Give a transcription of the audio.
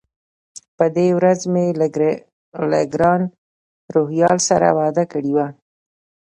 په دې ورځ مې له ګران روهیال سره وعده کړې وه.